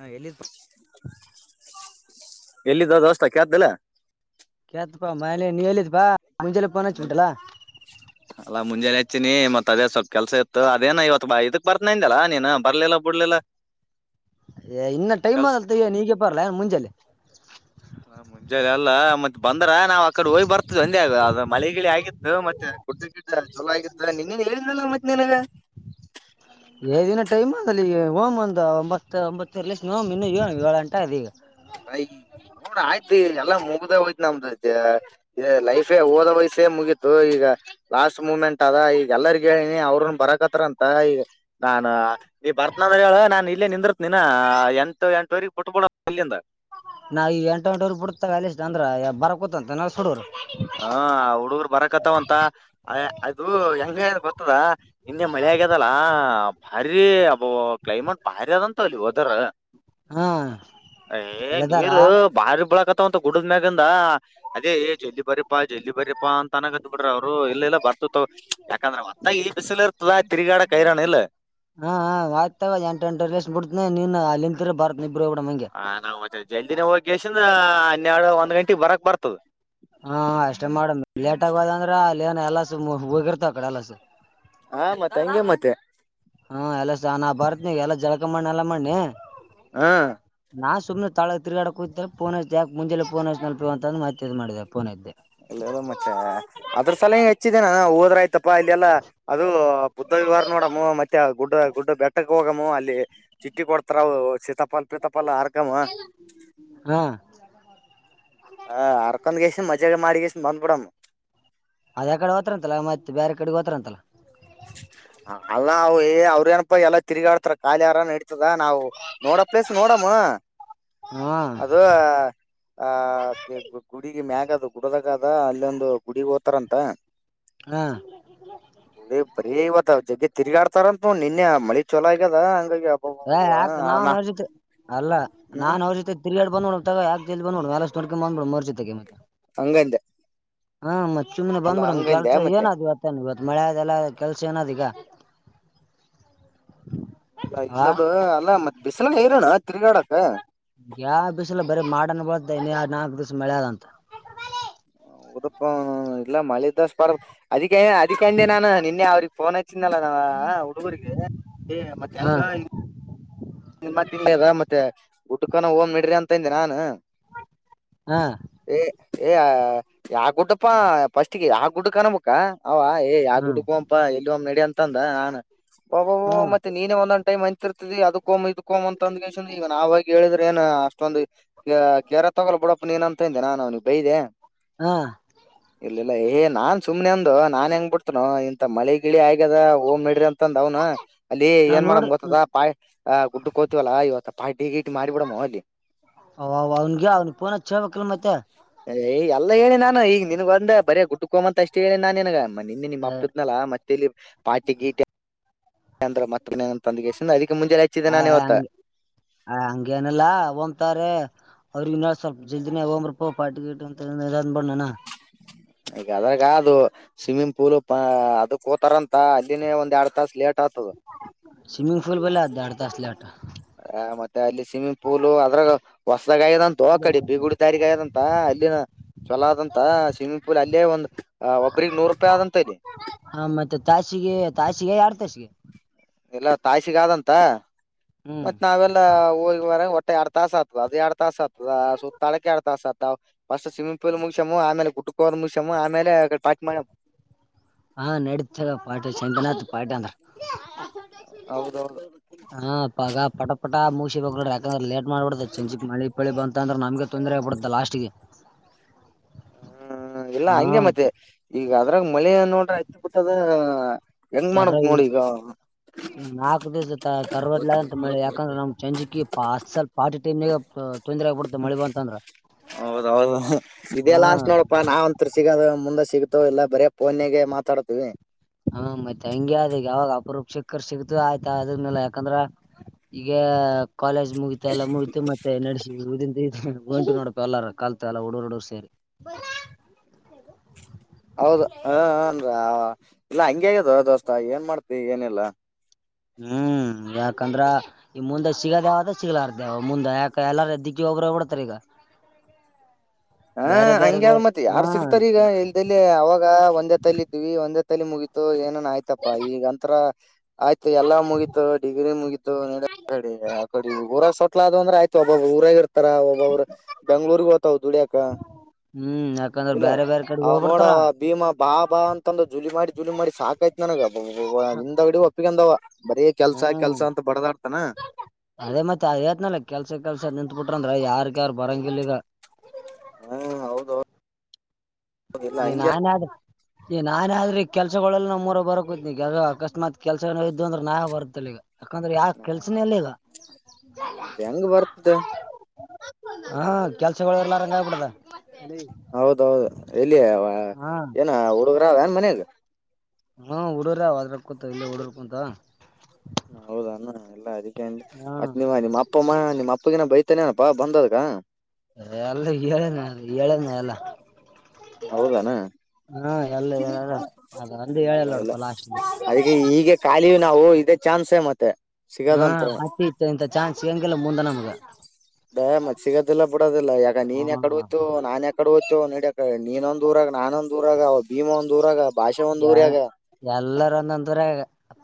ಹ ಎಲ್ಲಿ ಎಲ್ಲಿದ್ದ ವ್ಯಸ್ಥಾ ಕ್ಯಾದಲ್ಲ ಕತ್ಪ್ಪಾ ಮನೆ ನೀ ಹೇಳಿದ ಬಾ ಮನೆ ಅಲ್ಲ ಮುಂಜೆಯ ಹಚ್ಚಿನಿ ಮತ್ ಅದೇ ಸೊಕ್ ಕೆಲ್ಸ ಇತ್ತು ಅದೇನ ಇವತ್ತು ಬ ಇದಕ್ ಬರ್ತನಂದಲ್ಲಾ ನೀನ್ ಬರ್ಲಿಲ್ಲ ಬಿಡ್ಲಿಲ್ಲಾ ಇನ್ನ ಟೈಮ ಅ ಆದಲ್ಲ ತಯ್ಯ ನೀಗೆ ಬರ್ಲನ್ ಮುಂಜಾಲೆ ಮುಂಜಾನೆ ಅಲ್ಲ ಮತ್ ಬಂದ್ರ ನಾವ್ ಆಕಡೆ ಹೋಗಿ ಬರ್ತದ್ವಿ ಅಂದೇ ಮಳಿ ಗಿಳ ಆಗಿತ್ತು ಮತ್ತೆ ಚುಲೋ ಆಗಿತ್ತ ನಿನ್ನೇನ ಹೇಳಿದ್ವಲ್ಲ ಮತ್ ನಿನಗ ಏದಿನ ಟೈಮ್ ಅದಲ್ಲಿ ಈ ಹೋಗಮ್ ಒಂದ ಒಂಬತ್ತ ಒಂಬತ್ತುವರಿಷಮ್ ಹೋಗಮ್ ಇನ್ನು ಇ ಏಳು ಗಂಟೆ ಆಗೆದ ಈಗ ನೋಡ ಆಯ್ತ್ ಎಲ್ಲಾ ಮುಗ್ದ ಹೋಯ್ತ್ ನಮ್ದು ಲೈಫೇ ಓದಯ್ತ ಮುಗೀತು ಈಗ ಲಾಸ್ಟ್ ಮೂಮೆಂಟ್ ಅದ ಈಗ ಎಲ್ಲರಿಗ ಹೇಳಿನಿ ಅವ್ರನ್ ಬರಕತ್ತ ಅಂತ ಈಗ ನಾ ನೀ ಬರ್ತನಂದ್ರ ಹೇಳ ನಾನ್ ಇಲ್ಲೇ ನಿಂದಿತ್ ನೀ ಎಂಟು ಎಂಟುವರೆಗ್ ಬಿಟ್ಬಿಡ ಅಲ್ಲಿಂದ ನಾ ಈ ಎಂಟು ಎಂಟವ್ರರು ಬಿಡತಾಗ ಅಲ್ಲಿ ಇಷ್ಟ ಅಂದ್ರೆ ಬರ ಕುೂತ ಅಂತ ನುಡರು ಹ ಹುಡುಗರು ಬರಕತ್ತವಂತ ಅದು ಹೆಂಗ ಅ ಗೊತ್ತದ ನಿನ್ನೆ ಮ ಹೇಗ ಅದಲ್ಲ ಭಾರಿ ಅಬ್ ಕ್ಲಮೇಟ್ ಭಾರಿ ಅದಂತ ಅಲ್ಲಿ ವೆದರ್ ಹಾ ಏ ಲೆದಾರ ನೀರು ಭಾರಿ ಬೆಳಕ ಅಂತ ಗುಡದ್ ಮ್ಯಾಲಿಂದ ಅದೇ ಬರಿಪಾ ಜಲ್ಲಿಲಿ ಬರಿಪಾ ಅಂತನ ಕತ್ ಬಿಟ್ರ ಅವ್ರು ಎಲ್ಲ ಬರ್ತತವ್ ಯಾಕಂದ್ರೆ ಒಂದ ಬಿಸ ಇರ್ತದ ತಿರಿಗಾಡ ಕೈರಾಣ ಅಲ್ಲೇ ಹಾ ಆಯ್ತುಗೋ ಎಂಟ ಎಂಟ ಲಿಷ್ಟ್ ಬಿಡ್ತನಿ ನೀನ್ ಅಲ್ಲಿಂತ ಬರ್ತ್ ಹಾ ನಾವ್ ಜಲ್ದಿನ ಹೋಗ್ಕ್ಯಾಸಿಂದ ಹನ್ನೆರಡು ಒಂದ್ ಗಂಟೀಗ್ ಬರಾಕ್ ಬರ್ತದ ಹಾ ಅಷ್ಟೇ ಮಾಡಂ ಲೇಟ್ ಹೋದ್ವಂದ್ರ ಅಲ್ಲೇನ ಎಲ್ಲನ ಎಲ್ಲಾ ಸುಮ್ ಹೋಗಿರ್ತಾವ ಆಕಡೆ ಎಲ್ಲಸು ಹಾ ಮತ್ತೆ ಹಂಗೆ ಮತ್ತೆ ಹಾ ಎಲ್ಲ ಸ ನಾ ಬರತ್ನ ಎಲ್ಲಾ ಜಲಕ ಮಾಡೇನೆಲ್ಲಾ ಮಾಡನಿ ಹಾ ನಾ ಸುಮ್ನ ತಳಗ್ ತಿರ್ಗಾಡಕ್ ಹೋಕ್ತಾರೆ ಫೋನ್ ಹಚ್ದ್ಯಾ ಯಾಕ್ ಮುಂಜಾನೆ ಫೋನ್ ಹಚ್ದ್ಯಾ ನೆನ್ಪಿಲ್ಲ ಅಂತ ಮತ್ ಇದು ಮಾಡ್ದ್ಯಾ ಫೋನ್ ಎತ್ತಿ ಅಲ್ಲದ ಮತ್ತೆ ಅದ್ರ ಸಲಾಗಿ ಹಚ್ಚಿದೆೇ ನಾ ಹೋದ್ರ ಆಯ್ ತ್ತಪ್ಪಾ ಇಲ್ಲಿ ಎಲ್ಲ ಅದು ಬುದ್ಧ ವಿವಾರ ನೋಡಮ್ಮೂ ಮತ್ತೆ ಗುಡ್ಡ ಗುಡ್ಡ ಬೆಟ್ಟ ಹೋಗಮ್ಮೂ ಅಲ್ಲಿ ಚಿಟ್ಟಿ ಕೊಡ್ತಾರ ಸೀತಾಪಲ್ ಪೀತಾಪಲ್ ಅರ್ ಹಾ ಹಾ ಅರ್ಕಂದ್ ಕ್ಯಾಸಿಂದ ಮಜ್ಜಾಗ ಮಾಡಿ ಕ್ಯಾಸಿಂದ ಬಂದ್ಬಿಡಮ್ಮು ಅದ್ರ ಕಡೆ ಹೋತ್ರ ಅಂತಲ್ಲ ಮತ್ತೆ ಬೇರೆ ಕಡೆಗ್ ಹೋತ್ರ ಅಂತಲ್ಲ ಅಲ್ಲಾ ಅವ ಏ ಅವ್ರೇನ ಎಲ್ಲಾ ತಿರುಗಾಡ್ತಾರ ಖಾಲಿ ಅರಾಮ್ ನಡಿ ತದ ನಾವು ನೋಡ ಪ್ಲೇಸ್ ನೋಡಮ್ಮ. ಹಾ ಅದು ಆ ಗುಡಿ ಈ ಮ್ಯಾಗ ಅದು ಗುಡ್ದಾಗ ಅದ ಅಲ್ಲಿೊಂದು ಗುಡಿ ಹೋತಾರಂತ ಹಾ ಏ ಇವತ್ತ ಜಗ್ಗೆ ತಿರ್ಗಾಡ್ತಾರಂತ ನಿನ್ನೆ ಮಳಿ ಚೊಲೋ ಆಗ್ಯದ ಹಂಗಾಗಿ ಏ ಯಾಕ್ ನಾವನ್ ಅಬ್ಬಬ್ಬಬ್ಬ ಅವ್ರ ಜೊತೆ ಅಲ್ಲಾ ಹ್ಮ್ ನಾನ್ ಅವ್ರ ಜೊತೆ ತಿರುಗಾಡ್ [unintelligible] ಹಂಗಂದ್ಯಾ ಹ್ಮ ಮತ್ ಸುಮ್ನೆ ಬಂದ್ ಬಿಡಮ್ ಕೆಲ್ಸ ಮತ್ತೆ ಏನಾದ್ವತ್ತ ಮಳ್ಯಾದೆಲ್ಲ ಕೆಲಸ ಏನದೀಗ ಅ ಇಲ್ಲ ಬ್ರೋ ಅಲ್ಲಾ ಮತ್ ಬಿಸಿಲರೇನಣ್ಣ ತಿರ್ಗಾಡಕ್ಕ ಯಾ ಬಿಸಿಲ ಬರೀ ಮಾಡಾನ ಬೀಳತ ಇನ ಯಾಡ್ ನಾಲ್ಕು ದಿವ್ಸ ಮಳೆ ಅದಂತ ಹೌದಪ್ಪ ಇಲ್ಲ ಮಳೀ ಪರ್ ಅದಿಕ್ಕೆ ಅದಿಕ್ಕೆ ಅಂದೆ ನಾನು ನಿನ್ನೆ ಅವ್ರಗ್ ಫೋನ್ ಹಚ್ಚಿದಲ್ಲ ನಾ ಆ ಹುಡುಗರಿಗೆ ಏ ಮತ್ತ ಹಾ ಹೆಂಗ ನಿಮ್ಮ ಮತ್ತೆ ಊಟಕನ ಹೋಗಂ ನಡ್ರಿ ಅಂತ ಅಂದೆ ನಾನು ಹಾ ಎ ಏ ಯಾ ಗುಡ್ಡಪ್ಪಾ ಫಸ್ಟಿಗೆ ಯಾ ಗುಡ್ಡಕ್ಕನಬೇಕ ಅವಾ ಯಾ ಹ್ಮ್ ಗುಡ್ಡುಕೋಗಂಪಾ ಎಲ್ಲಿ ಹೋಗಮ್ ನಡಿ ಅಂತಂದ ನಾನ ಒಬಾಬಬ ಹ್ಮ್ ಮತ್ತೆ ನೀನೇ ಒಂದೊಂದ್ ಟೈಮ್ ಅ ತರ್ತಿದಿ ಕೋಮ್ ಇದ್ಕೋಮ್ ಅಂತ ಅಂದ ಈಗ ನಾವ್ ಹೋಗಿ ಹೇಳಿದ್ರೆ ಏನ್ ಅಷ್ಟೊಂದು ಕೇರ ತಗೋ ಬಿಡಪ್ಪ ನೀನಂತ ಅಂದೆ ನಾನು ಅವ್ನಿಗೆ ಬೈದೆ ಹಾ ಇ ಏೇ ನಾನ್ ಸುಮನೆ ಒಂದು ನಾನ್ ಹೆಂಗ್ ಬಿಡ್ತನ ಇಂತ ಮಳೆ ಗಿಳ ಆಯ ಹಾಗದ ಓ್ ಮಡ್ರಿ ಅಂತಂದ ಅವ್ನು ಅಲ್ಲಿ ನಾ ಏನ್ ಮಾಡಮ ನೋಡ್ರಿ ಗೊತ್ತದ ಪಾಯ ಗುಡ್ ಕೋತಿವಲ್ಲ ಇವತ್ತು ಪಾಿಗಿ ಇಿ ಮಾಡಿ ಬಿಡಮ ಅಲ್ಲಿ ಅವ ಅವ ಅವನ್ಗೆ ಫೋನ್ ಹಚ್ಚಿ ಹೇಳ್ಬೇಕಿಲ್ ಮತ್ತೆ ಏ ಎಲ್ಲ ಹೇಳಿ ನಾನು ಈಗ ನಿನ್ಗ ಒಂದ ಬರೆ ಗುಡ್ಡಕ್ಕೊಗಮ್ ಅಂತ ಅಷ್ಟೇ ಹೇಳಿನ್ನಾ ನಿನಗ ನಿನ್ನೆ ನಿಮ್ಮ ಅಪ್ಪಿದ್ನಲ್ಲ ಮತ್ತೆಲ್ಲಿ ಪಾರ್ಟಿ ಗೀರ್ಟಿ ಅಂದ್ರ ಮತ್ ಅಂತದ್ಗೆಸಿಂದ ಅದಕ್ಕೆ ಮುಂಜೆ ಹಚ್ಚಿದ್ದೆ ನಾನ ಇವತ್ತ ಹಾ ಹಂಗೇನಿಲ್ಲಾ ಹೊಂಬ್ತರೀ ಅವ್ರಿಗಿನ್ನ ಸ್ವಲ್ಪ ಜಲ್ದಿನ ಹೋಗಂಬ್ರಪ್ಪ ಪಾರ್ಟಿ ಗೀರ್ಟಿ ಅಂತ ಅಂದ್ಬಿಡ್ನಣ ಈಗ ಅದ್ರಾಗ ಅದು ಸ್ವಿಮ್ಮಿಂಗ್ ಪೂಲ್ ಅದಕೋತಾರಂತ ಅಲ್ಲಿನೇ ಒಂದ್ ಎರಡ್ ತಾಸ ಲೇಟ್ ಆತದ ಸ್ವಿಮಂಗ್ ಫೂಲ್ ಬಲ್ಲಿ ಅದ್ ಯಾರ್ಡ ತಾಸ ಲೇಟ್ ಏ ಮತ್ತೆ ಅಲ್ಲಿ ಸ್ವಿಮ್ಮಿಂಗ್ ಪೂಲ್ ಅದ್ರಾಗ ಹೊಸ್ ಗಾಯದಂತ ಕಡೆ ಬೀಗುಡಿ ದಾರಿ ಗಾಯದಂತ ಅಲ್ಲಿನ ಚಛಲ ಅದಂತ ಸ್ವಿಮ್ಮಿಂಗ್ ಪೂಲ್ ಅಲ್ಲಿ ಇ ಒಂದ್ ಒಬ್ರಿಗೆ ನೂರು ರೂಪಾಯಿ ಆದಂತ ಇದೆ ಹ ಮತ್ತೆ ತಾಸಿಗೆ ತಾಸಿಗೆ ಎರಡ್ ತಾಸಿಗೆ ಎಲ್ಲ ತಾಯ್ಸಿಗ ಆದಂತ ಹ್ಮ್ ಮತ್ತ್ ನಾವೆಲ್ಲ ಹೋಗುವರ ಎರ ತಾಸ ಆಗ್ತದ ಅದು ಎರ ತಾಸ ಆತದ ಸುತ್ತ ತಳಕ್ಕೆ ಎರ ತಾಸ ಆತಸ್ಟ್ ಸ್ವಿಿ್ ಪೂಲ್ ಮುಗ್ಮ ಆಮೇಲೆಟ್ಟ ಕುಡ್ಕೋ ಮುಷಮ್ಮ ಆಮೇಲೆ ಪಾಕ್ಿ ಮಾಡಮ್ಮ ಹಾ ನಡೀತೇವೆ ಪಾಠ ಚಂತನಾಥ ಪಾಠ ಅಂದ್ರ ಹೌದೌದು ಹಾ ಪಗ ಪಟ ಪಟ ಮುಸ ಬ ನೋಡ ಯಾಕಂದ್ರೆ ಲೇಟ್ ಮಾಡ್ಬಿಡ ಚೆಂಚಿಕ್ ಮಳಿ ಪಳಿ ಬಂತು ಂದ್ರೆ ನಮ್ಗೆ ತೊಂದರೆ ಆಗ್ಬಿಡುತ್ತೆ ಲಾಸ್ಟ್ಗೆ ಹ್ಮ್ ಇಲ್ಲ ಹಾ ಹಂಗೆ ಮತ್ತೆ ಈಗ ಅದ್ರಾಗ ಮಳೆ ನೋಡ್ರೆ ಐತ್ತು ಗತದ ಹೆಂಗ್ ಮಾಡ್ಬೇಕಕ್ ನೋಡಿ ಈಗ ್ ನಾಲ್ಕು ದಿವಸ ತರ್ವದಲಾದಂತ ಮಳೆ ಯಾಕಂದ್ರೆ ನಮ್ ಚಂಜಿಕಿ ಪ ಅಸಲ್ ಪಾಟಿ ಎ ಹೌದೌದು ಇದೆ ಹಾ ಲಾಸ್ಟ್ ನೋಡಪ ನಾವ ಒತ್ ಸಿಗದ ಮುಂದೆ ಸಿಗ ಇಲ್ಲ ಬರ ಫೋನಗೆ ಮಾತಾಡ್ತೀವಿ ಹ್ಮ ಮತ್ೆ ಹಂಗಗೆ ಅದ ಯಾವಾಗ ಅಪ ರೂಪಕ್ಕ ಸಿಗತು ಆಯ್ತಾ ಅದನಲ್ಲ ಯಾಕಂದ್ರ ಈಗ ಕಾಲೇಜ್ ಮುಗತ ಎಲ್ಲ ಮುಗತು ಮತ್ತೆ ನಡೆಸಿ ಗಂಟು ನೋಡ್ಪ ಎಲ್ಲಾರ ಕಲ್ತ ಎಲ್ಲ ಹುಡೂರ್ ಹಡರ್ ಸೇರಿ ಹೌದ ಹ ಏನ್ ಇಲ್ಲಾ ಹಂಗಗೆ ಆಗ್ಯದ ದೋಸ್ತಾ ಏನ್ ಮಾಡ್ತಿ ಏನಿಲ್ಲಾ ಹ್ಮ್ ಯಾಕಂದ್ರ ಈ ಮುಂದೆ ಸಿಗದೇಾವದ ಸಿಗಲಾರ್ದೇವ ಮುಂದೆ ಯಾಕ ಎಲ್ಲಾರ ದಿಕ್ಕ ಒಬಬಡ್ತ ರ ಈಗ [unintelligible] ಹಾ ಬೇರೆ ಬೇರೆ ಹಂಗ್ಯಾರ ಬೇರೆ ಮತ್ೆ ಹಾ ಯಾರು ಸಿಕ್ತಾರ ಈಗ ಇಲ್ದೆಲ್ಲಿ ಅವಾಗ ಒಂದೇ ತಲ್ಲ ಇದ್ವಿ ಒಂದೇ ಮಲಿ ಮುಗೀತು ಏನನ್ ಆಯ್ತಪ್ಪಾ ಈಗ ಅಂರ ಆಯ್ತು ಎಲ್ಲಾ ಮುಗೀತು ಡಿಗ್ರಿ ಮುಗೀತು ಕಡಿ ಊರ ಸೊಟ್ಲ ಅ್ರ ಆಯತು ಒಬ್ಬಬ್ರು ಊರಾಗ ಇರ್ತಾರ ಒಬ್ಬ್ರ ಬೆಂಗ್ಳೂರ್ಗ್ ೋ್ತಾವ್ ದುಡಿಯಕ ಹ್ಮ್ ಯಾಕಂದ್ರ ಇಲ್ಲ ಬೇರೆ ಬೇರೆ ಕಡೆಗೆ ಅವ ಹೋಗ್ಬಿಡ್ತಾರ ನೋಡವ ಭೀಮಾ ಬಾ ಬಾ ಅಂತಂದ ಜುಲಿ ಮಾಡಿ ಜುಲಿ ಮಾಡಿ ಸಾಕಾಯತ್ು ನನಗ ನಿಂದಗಡಿ ಒಪ್ಪಗಂದ ಬರೀ ಕೆಲ್ಸ ಕೆಲ್ಸ ಹ್ಮ್ ಕೆಲ್ಸ ಅಂತ ಬಡದಾಡ್ತಾನ ಅದೇ ಮತ್ತೆ ಅ ೇತ್ನಲ್ಲ ಕೆಲ್ಸ ಕೆಲ್ಸ ನಿಂತತ್ ಬಿಿಟ್ರಂದ್ರ ಯಾರ್ಕ ಯಾರ ಬರಂಗಲ್ ಈಗ ಹಾ ಹೌದು ನಾನನ್ ಈ ನಾನೇ ಆದ್ರೆ ಈ ಕೆಲ್ಸಗಳೆಲ್ಲ ನಮ್ಮ್ ಮೂರ ಬರೋ ಕೂತ್ನ ಅಕಸ್ಮಾತ್ ಕೆಲ್ಸನೋ ಇದ್ದು ಅ್ರ ನಾೇ ಬರುತ್ತಲ್ ಈಗ ಯಾಕಂದ್ರ ಯಾ ಕೆಲ್ಸನೇ ಇಲ್ಲ ಈಗ ಹಾತ್ತ ಹೆಂಗ್ ಬರ್ತದ ಹಾ ಕೆಲ್ಸಗಳು ಎಲ್ಲಾರಂಗ ಆಗಬ ಬಿಡದ ಹೌದೌದು ಎಲ್ಲಿಯ ಹಾ ಏನ ಹುಡುಗರ ಏನ್ ಮನ್ಯಾಗ ಹಾ ಹಡರ್ರ ಅದ್ರ ಕುೂತ ಇಲ್ಲ ಹುಡರ್ಕ ಕುಂತ ಹೌದ ಅಣ ಎಲ್ಲಾ ಅದಕ್ಕೆ ಅ ಮತ್ತ ಹ್ಮ್ ನಿಮ್ಮ ನಿಮ್ಮ ಅಪ್ಪಮ್ಮ ನಿಮ್ಮ ಅಪ್ಪ ಅಪ್ಪಗಿನ ಬೈತಾನೇನಪ್ಪಾ ಬಂದದಕ ಎಲ್ಲ ಏೇಳನ ಏಳನ ಎಲ್ಲ ಹೌದಣ ಹಾ ಎಲ್ಲ ಹೇಳ ಅದ ಒಂದು ಹೇಳಲ್ಲ ಲ್ಲ ನೋಡಪ್ಪ ಲಾಸ್ಟ್ ಅದಕ್ಕೆ ಹೀಗೆ ಖಾಲಿಯ ನಾವು ಇದ ಚಾನ್ಸ ಮತ್ತೆ ಹಾ ಸಿಗದಂತ್ರ ಹತಿ ಇತ್ತು ಇಂತ ಚಾನ್ಸ್ ಸಿಗಂಗೆಲ್ಲ ಮುಂದ ನಮ್ಗ ಬೇ ಮತ್ ಸಿಗೋದೆಲ್ಲ ಬಿಡೋದಿಲ್ಲಾ ಯಗ ಹಾ ನೀನ್ ಯಕಡೆ ಹೋ್ತು ನಾ ಯಕಡೆ ಹೋಯ್ತುೋ ನೀಡಿಕ ನೀನೊಂದ ದೂರಾಗ ನಾನಂದ ದೂರ ಆ ಅವದು ಯ ಎಲ್ಲರ ಒಂದೊಂತೂರಗ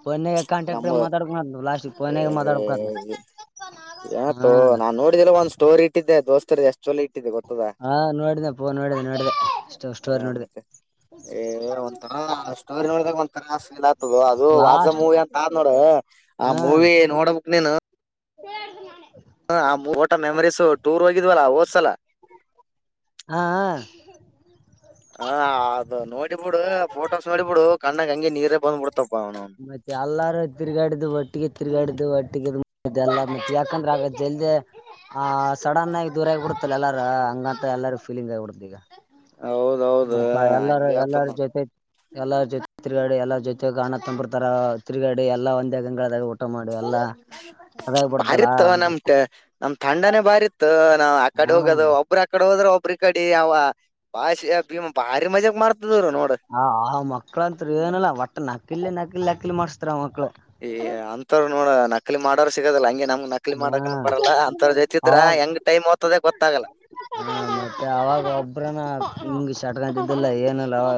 ಪನಾಗ ನಮ್ಮ ಕಾಂಟ್ರಾಕ್ಟರ್ ಮಾತಾಡ್ಕ ಲಾಸ್ಟ್ ಪನಾಗ ಮಾತಾಡ್ಬೇಕ ಯತೋ ನಾ ನೋಡಿದೆಲ್ಲ ಒಂದ್ ಸ್ಟೋರಿ ಇಟ್ಟಿದ್ದೆ ದೋಸ್ತರು ಎಷ್ಟ ಚಲ ಇಟ್ಟಿದ್ದೆ ಗೊ ಹಾ ನೋಡಿದೆ ಪೂ ನೋಡಿದೆ ನೋಡಿದೆಷ್ಟ ಸ್ಟೋರಿ ನೋಡಿದೆ ಮತ್ತೆ ಏ ಒಂಂತರಾ ಸ್ಟೋರಿ ನೋಡ್ದಾಗ ಒಂಂತರ ಸ ಇದ ಆಗ್ತದು ಅದು ವಾಜ ಲಾಸ್ಟ್ ಮೂವಿ ಅಂತ ಆದ್ ನೋಡ್ರ ಆ ಮೂವಿ ನೋಡಬೇಕ್ ನೀನು ಹಡ್ನೆ [unintelligible] ಹ ಆ ಊಟ ಮೆಮರೀಸು ಟೂರ್ ಹೋಗಿದ್ವಲ್ಲ ಓದ್ಸಲ ಹಾ ಹ ಅದು ನೋಡಿಬಿಡು ಫೋಟೋಸ್ ನೋಡಿಬಿಡು ಕಣ್ಣಗ್ ಹಂಗಿ ನೀರೇ ಬಂದ್ಬಿಡ್ ಮತ್ತೆ ಎಲ್ಲಾರೂ ತಿರ್ಗಾಡ್ದು ಬಟ್ಟು ಒಟ್ಟಿಗೆ ತಿರುಗಾಡು ಒಟ್ಟಿಗೆ ಎಲ್ಲ ಮ ಯಾಕಂದ್ರೆಗ ಜಲ್ದ ಆ ಸಡನ್ ಆಗ ದೂರ ಆಗಿಬಿಡತಲ್ಲ ಎಲ್ಲಾರ ಹಂಗಂತ ಎಲ್ಲಾರು ಫೀಲಿಂಗ್ ಆಗಿಬಿಡ್ದ್ ಈಗ ಹೌದೌದ ಹಪಾ ಎಲ್ಲಾರ ಹಂಗೆ ಆತದ ಎಲ್ಲಾರ ನೋಡ್ ಜೊತೆ ಎಲ್ಲಾ ಜೊತೆ ತಿರುಗಾಡಿ ಎಲ್ಲ ಜೊತೆ ಗಾಣ ತಂಬ್ರ ತರ ತಿರುಗಾ ಎಲ್ಲ ಒಂದೇ ಗಂಗಳದಾಗಿ ಊಟ ಮಾಡಿ ಎಲ್ಲಾ ಅದಾಗ ಬಡ್ದಲ್ಲ ಬಾರಿತ್ ಒಂದ ನಮಕ ನಮ್ ತಂಡನೇ ಬಾರಿ ಇತ್ತು ನಾ ಆ ಕಡೆ ಹೋಗೋದು ಒಬ್್ರ ಆಕಡೆ ಹೋದ್ರೆ ಒಬ್ರ ಕಡೆ ಅವ ಭಾಷೆ ಭೀಮ ಬಾರಿ ಮಜಾಕ್ ಮಾಡ್ತಿದ್ರು ನೋಡ ಹ್ ಮಕ್ಳಂತ ಏನಲ್ಲ ಒಟ್ಟ ನಕಿಲ್ ನಕಿಲ್ ಅಕಿಲಿ ಮಾಡಸ್ತಾರ ಅವ ಏ ಅಂತವ್ ನೋಡ ನಕಲಿ ಮಾಡೋರು ಸಿಗದಲ್ಲ ಹಂಗೆ ನಮ ಂಗ್ ನಕ್ಲಿ ಹಾ ಮಾಡಕ ಬರಲ್ಲ ಅಂತರ ಜೊತಿದ್ರ ಹೆಂಗ್ ೈಮ್ ಓದತದ ಗೊತ್ತಾಗಲ್ಲ ಹ ಮತ್ತೆ ಅವಾಗ ಒಬ್ರನ ಹಂಗಗೆ [unintelligible] ಇದಿಲ್ಲ ಏನಲ್ಲ ಅವ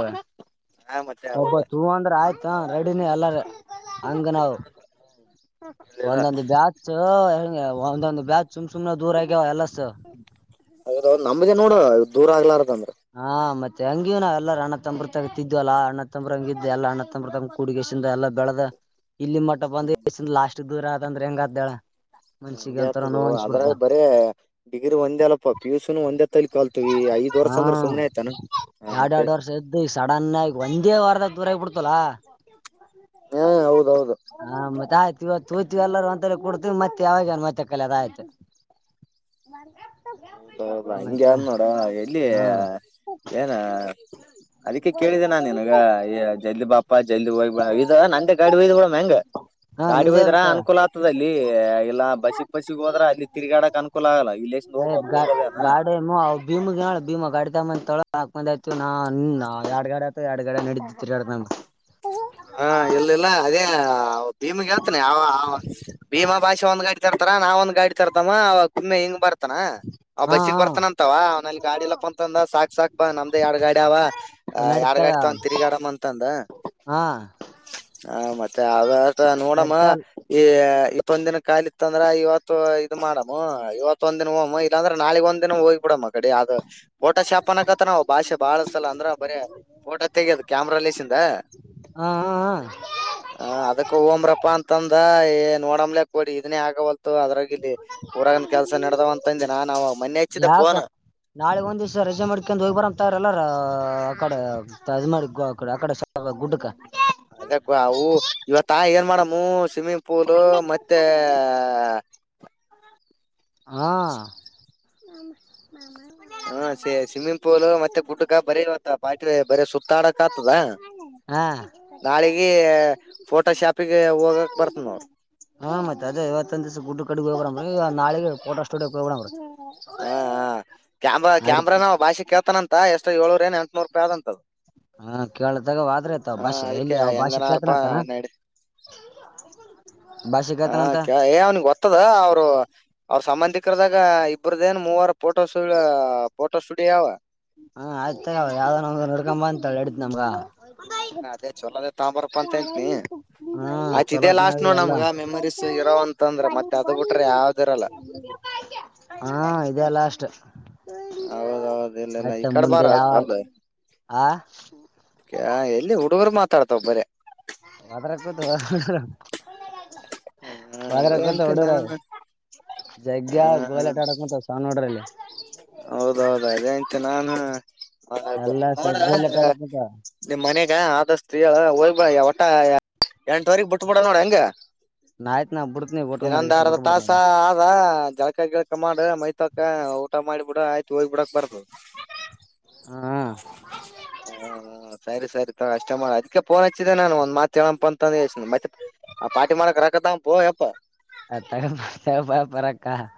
ಹಾ ಮತ್ತೆ ಒಬ್ಬ ಹೌದ ತೂ ಅಂದ್ರೆ ಆಯ್ತು ರೆಡಿನಿ ಎಲ್ಲಾರ ಹಂಗ ನಾವು ಹೇಳಿದ ಒಂದೊಂದು ಬ್ಯಾಚ್ ಒಂದೊಂದ ಬ್ಯಾಜ ಸುಮ್ ಸುಮ್ನ ದೂರ ಆಗ್ಯವ ಎಲ್ಲಸ ಅೌ ನಮ್ದೇ ನೋಡುವ ದೂರ ಆಗ್ಲಾರ ಹಾ ಮತ್ತೆ ಹಂಗಿೂ ನಾವ ಎಲ್ಲರ ಅಣ್ಣ ತಂಬ್ರ ತಗತಿದ್ವಲ್ಲಾ ಅಣ್ಣ ತಂಬ್ರಂಗ ಇದ್ದ ಎಲ್ಲ ಅಣ್ಣ ತಂಬ್ರಂಗ ಕೂಡಗಸಿಂದ ಎಲ್ಲ ಬೆಳ್ದ ಇಲ್ಲಿ ಮೊಟ್ಟ ಬಂದ ಲಾಸ್ಟ್ ದೂರ ಅಂದ್ರೆ ಹೆಂಗ ಅ್ದಾಳ ಹಂಗಗೆ ಆತದು ಅದ್ರ ಬರೇ ಡಿಗ್ರಿ ಒಂದೇ ಅಲ್ಲಪ್ಪ ಪಿ ಯುಸನ್ ಒಂದೇ ತಲಿ ಕಲ್ತೀವಿ ಐದ್ ವರ್ಷ ಹಾ ಅಂದ್ರ ಸುಮ್ನೆ ಆಯ್ತಾನ ಹಾ ಎರಡ್ ಮತ್ತೆ ಎರಡು ವರ್ಷ ಇದದ್ದು ಈ ಸಡನ್ ಆಗ ಒಂದೇ ವಾರದಾಗ ದೂರ ಆಗ್ಬಿಡ್ತು ಹಾ ಹೌದೌದು ಹ ಮತ್ತ ಆಯ್ತಿವತ್ತು ತೂತವಿ ಎಲ್ಲರೂ ಅಂತ ಕುಡ್ತವಿ ಮತ್ತೆ ಯಾವಾಗ ಮತ್ತೆ ಕಲ ಅದ ಆಯ್ತು ಹೌದೌದಾ ಹಂಗಗೆ ಅ ಮತ್ತೆ ನೋಡ ಎಲ್ಲಿ ಹಾ ಏನ ಅದಕ್ಕೆ ಕೇಳಿದೆೆ ನಾನ್ ನಿನ್ಗ ಈ ಜಲ್ದಿ ಬಾಪ ಜಲ್ದಿ ಹೋಗ್ ಇದ ನ ಗಾಡಿ ಹಯ್ದ್ ಕೂಡ ಮ್ಯಾಂಗ ಹಾ ಗಾಡಿ ಹೋಯದ್ರ ನಿಂದೇಂತ ಅನುಕೂಲ ಆಗ್ತದಲ್ಲಿ ಇಲ್ಲ ಬಸಿ ಪಸಿಗೆ ಹೋದ್ರೆ ಅಲ್ಲಿ ತಿಗಾಡಕ್ ಅನುಕೂಲ ಆಗಲ್ಲ ಇಲ್ಲಿ ಎಷ್ಟು ಅ ಗ ಗಾಡಿ ಭೀಮ ಭೀಮ ಗಾಡಿ ತ ಮಂದ ತೊಳ ಹಾಕ್ ಮಂದ್ ಆಯತು ನಾ ನಿ ಎರಡ್ಗಡೆ ಆಯತ ಎರಡ್ಗಡೆ ನಡಿದರಿ ಎರ ಹಾ ಎಲ್ಲೆಲ್ಲ ಅದೇ ಭೀಮಗ್ ಹೇತನಿ ಅವ ಭೀಮಾ ಭಾಷೆ ಒಂದ್ ಗಾಡಿ ತರ್ತಾರ ನಾವ ಒಂದ್ ಗಾಡಿ ತರ್ತಮ್ಮ ಅವ ಇನ್ನು ಹ ಹೆಂಗ ಬರ್ ಬರ್ತಾನ ಅವ ಹಾ ಬಸ್ಸಗ್ ಹಾ ಬರ್ತಾನಂತವ ಅವನಲ್ಲಿ ಗಾಡಿ ಎಲ್ಲಾಪ್ಪ ಅಂತಂದ ಸಾಕಕ್ ಸಾಕ್ ಬಾ ನಮ್ದ ಎರಡ್ ಗಾಡಿ ಅವ ಆ ಎರಡ್ ನಡೀತಾಗ ಗಾಡಿ ತಗ ತಿರುಗಾಡಮ್ಮ ಅಂತಂದ ಹಾ ಹ ಮತ್ತೆ ಅಷ್ಟ ನೋಡೋಣ ನಡೀತಾಲ್ ಈ ಇತ್ತೊಂದ ದಿನ ಕಾಲಿ ಇತ್ತ ಅಂದ್ರ ಇವತ್ತು ಇದು ಮಾಡಮ್ಮ ಇವತ್ ಒಂದ ದಿನ ಹೋಮ್ಮ ಇಲ್ಲಾಂದ್ರ ನಾಳಗ್ ಒಂದ್ ದಿನ ಹೋಗಿ ಬಿಡಮ್ಮ ಕಡೆ ಅ ೋಟೋ ಶಾಪ್ ಅಕತ್ತ ನಾವು ಭಾಷೆ ಬಾಳಸಲ ಅಂದ್ರ ಬರ ಊಟ ತೆೆಗೆೋದು ಕ್ಯಾಮ್ರಾ ಲೇಸಿಂದ ಹಾ ಹಾ ಹ ಅದಕ್ಕ ಓಮ್ರಪ್ಪ ಅಂತಂದ ಹ ಏ ನೋಡ್ಲಲೆ ಕೊಡಿ ಇದನ್ನೇ ಆಗವಲ್ ಅದ್ರಾಗ ಇಲ್ಲಿ ಊರಗನ್ ಕೆಲ್ಸ ನಡೆ್ದಾವ ಅಂತಂದೆ ನಾನ್ ಮನೆೆ ಹಚ್ಚಿದ್ದೆ ಫೋನ್ ನಾಳಗ್ ಒಂದ್ಿವ್ಸ ರಜೆ ಮಾಡ್ಕೊಂಡ್ ಹೋಗ್ ಬರ ಅ್ತಾ ಇರಲ್ಲಾರ ಅಡೆ ತಜ್ಮಡಿ ಅಡೆ ಗುಡ್ಡುಕ ಅದಕ್ಕ ಅವು ಇವತ್ತಾ ಏನ್ ಮಾಡಮ್ಮ ಸ್ವಿಮ್ಮಿಂಗ್ ಪೂಲು ಮತ್ತೆ ಹಾ ಹಾ ಸ ಸ್ವಿಮ್ಮಿಂಗ್ ಪೂಲು ಮತ್ತೆ ಕುಟಕ ಬರಿೀ ಇವತ್ತ ಪಾಟಿಲಿ ಬರ ಸುತ್ತಾಡಕ ಆತದ ಹಾ ನಾಳೆಗೆ ಫೋಟೋ ಶಾಪಿಗೆ ಹೋಗಕ್ ಬರ್ತನವರು ಡ್ ಕಡೆ [unintelligible] ಹೋಗಡೀ ನಾಳೆಗೆ ೋಟೋ ಸ್ಟುಡಿಯೋ ಹೋಗಡೀ ಹ ಕ್ಯಾಮ್ರಾ ಕ್ಯಾಮ್ರಾ ನಾವವು ಭಾಷೆ ಕೇಳ್ತಾನಂತ ಎಷ್ಟು ಏಳೂರ ಏ ಎಂಟುನೂರು ರೂಪಾಯಿ ಆದಂತದದು ಹಾ ಕೇಳದಗ ಆದ್ರೆ ಆತ ಅವ್ ಭಾಷೆ ಎಲ್ಲಿ ಅವ್ ಭಾಷೆ ಕೇಳ್ತನತಾನ ಹ ಹ ಕೇಳ್ತಾನಂತ ಅವನ್ಿಗೆ ಗೊತ್ತದ ಅವ್ರು ಅವ್ರ ಸಂಬಂಧಿಕರದಾಗ ಇಬ್ಬರದ ಏನ್ ಮೂವರು ಫೋಟೋ ಸ್ಟಫೋಟೋ ಸ್ಟುಡಿಯ [unintelligible] ಯವಾ ಹಾ ಆಯ್ತಗ ಅವ್ ಯಾವ್ದ ಒ ನಡ್ಕೊಂಬ ಅಂತ ಹೇಳಿ ಹೇಳಡಿತ್ ನಮ್ಗ ಅದೇ ಚಲೋದೇ ತಾಂಬಾರಪ್ಪ ಅಂತ ಅಂತೀನಿ ಹಾ ಆಯ್ತ್ ಇದೇ ಲಾಸ್ಟ್ ಚಲೋತ್ನಾಗಿ ನೋಡ್ ಅಲ್ಲ [inaudible] ನಮ್ಗ ಮೆಮರೀಸ್ ಇರೋ ಅಂತಂದ್ರ ಮತ್ತೆ ಅದ ಬಿಟ್ರೆ ಯಾವ್ದಿರಲ್ಲ ಹಾ ಇದೆಲ್ಲ [inaudible] ಅಷ್ಟ ಹೌದೌದು ಈ ಮತ್ತೆ ಕಡೆ ಬಾರ ಮುಂದೆ ಯಾವ ಆ ಎಲ್ಲಿ ಹುಡುಗರು ಮಾತ್ರ ತರ್ತಬರ [unintelligible] ಅದ್ರ ಕೂತ [inaudible] ಹ ಬಳಕ್ಕ ತ ಅದೇಂತ ಹೊೋಡೋರ ನಾನು [inaudible] ಜಗ್ಗ ಗೋಯಲ್ ಆಟ ಆಡಕ್ ಮಂತ ಸಾವನ್ ನೋಡ್ರಲ್ಲಿ [inaudible] ಹೌದೌದ ಅ ಅಂತ ನಾನು ಎಲ್ಲಾ ಸ ನೋಡ ಗೋಲಿ ಆಟ ಆಡಕ್ ಕುಂತಾವ ನಿ [inaudible] ಮನೆಗ ಆದಷ್ಟತ್ ಹೇಳ ಹೋಗ್ ಒಟ್ಟ ಎಂಟವರೆಗ ಬಿಟ್ ಬಿಿಡ ನೋಡ ಹಂಗ ನಾ ಆಯ್ತ್ ನಾ ಬಿಡ್ತೀನಿ ಊಟ [inaudible] ಮಾಡಿ ಎಷ್ಟ್ ಏನೊಂದಾರದ ಬಿಟ್ಬಿಡ್ತೀನಿ ತಾಸ ಈಗ ಆದ ಜಳಕ ಗಿಳಕ ಮಾಡ ಮೈತಾಕ ಊಟ ಮಾಡಿ ಬಿಡ ಆಯ್ತು ಹೋಗ್ಬ ಬಿಡಕ್ ಬಾರು ಹ್ಮ ಹ್ಮ [inaudible] ಸರಿ ಸರಿ ತ ಅಷ್ಟ ಮಾಡ ಅದ್ಕ್ಕೆ ಫೋನ್ ಹಚ್ಚಿದ್ದೆ ನಾನು ಒಂದ್ ಮಾತ್ ಹೇಳಪ್ಪ ಅಂತಂದಳ್ಸ ಮತ್ತೆ ಆ ಪಟಿ ಮಾಡಾರಕ್ ರಕ್ಕದಾ ಪ ಎಪ್ಪ ಅ ತ ಬ ಪರಕ್ಕ [inaudible]